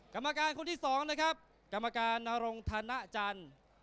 กรรมการคนที่สองนะครับกรรมการนรงธนจันทร์